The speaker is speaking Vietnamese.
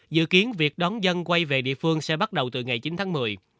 dự kiến việc đón dân quay về địa phương sẽ bắt đầu từ ngày chín tháng một mươi